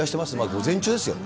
午前中ですよ。